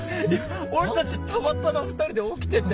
俺たちたまたま２人で起きてて。